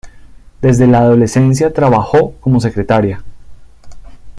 Desde la adolescencia trabajó como secretaria.